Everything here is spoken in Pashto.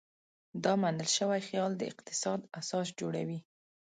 دا منل شوی خیال د اقتصاد اساس جوړوي.